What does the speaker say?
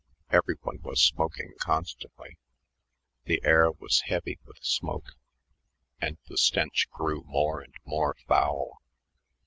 Every one was smoking constantly; the air was heavy with smoke, and the stench grew more and more foul.